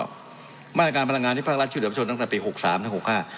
บ้านอันการณ์พลังงานที่ภาครัฐชีวิตเฉพาะชนตั้งแต่ปี๖๓๖๕